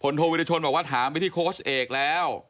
โทวิรชนบอกว่าถามไปที่โค้ชเอกแล้ว